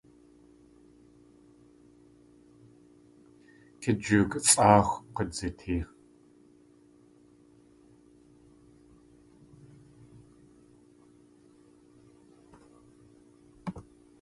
Kijook sʼáaxw k̲udzitee.